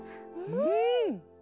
うん！